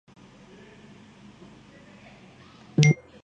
La película termina con Calvin leyendo un extracto de su nuevo libro.